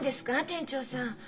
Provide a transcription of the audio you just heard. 店長さん。